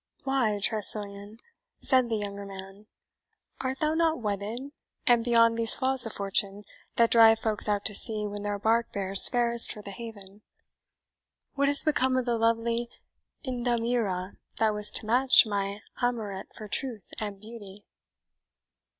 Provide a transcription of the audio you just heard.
"Why, Tressilian," said the younger man, "art thou not wedded, and beyond these flaws of fortune, that drive folks out to sea when their bark bears fairest for the haven? What has become of the lovely Indamira that was to match my Amoret for truth and beauty?"